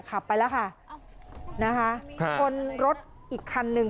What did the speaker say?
ขับไปแล้วค่ะนะคะชนรถอีกคันหนึ่ง